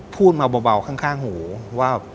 พูดมาเบาข้างหูว่า